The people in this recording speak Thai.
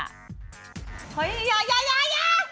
เฮ้ยอย่าอย่าอย่า